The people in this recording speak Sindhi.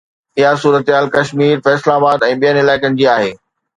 اها صورتحال ڪشمير، فيصل آباد ۽ ٻين علائقن جي آهي